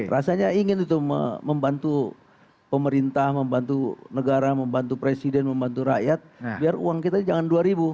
rasanya ingin itu membantu pemerintah membantu negara membantu presiden membantu rakyat biar uang kita jangan dua ribu